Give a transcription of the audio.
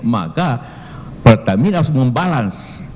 maka pertamina harus membalas